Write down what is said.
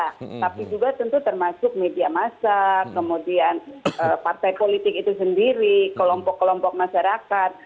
bukan hanya pilih kendaraan tapi juga tentu termasuk media masyarakat kemudian partai politik itu sendiri kelompok kelompok masyarakat